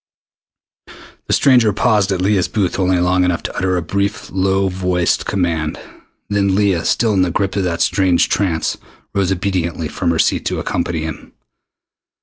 The stranger paused at Leah's booth only long enough to utter a brief low voiced command. Then Leah, still in the grip of that strange trance, rose obediently from her seat to accompany him.